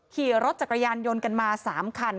ขี่รถจักรยานยนต์กันมา๓คัน